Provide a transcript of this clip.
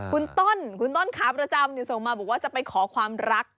คุณต้นคุณต้นขาประจำส่งมาบอกว่าจะไปขอความรัก